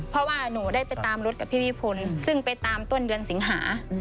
เพราะว่าหนูได้ไปตามรถกับพี่วิพลซึ่งไปตามต้นเดือนสิงหา